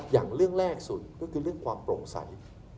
อย่างเรื่องแรกสุดก็คือเรื่องความโปร่งใส